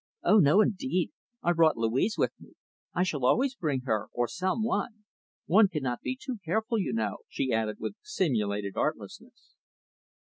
"Oh, no, indeed! I brought Louise with me. I shall always bring her, or some one. One cannot be too careful, you know," she added with simulated artlessness.